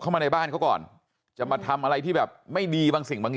เข้ามาในบ้านเขาก่อนจะมาทำอะไรที่แบบไม่ดีบางสิ่งบาง